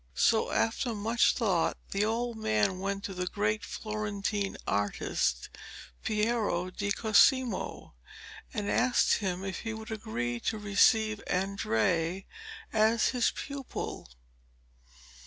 So after much thought the old man went to the great Florentine artist Piero di Cosimo, and asked him if he would agree to receive Andrea as his pupil.